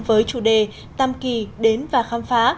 với chủ đề tâm kỳ đến và khám phá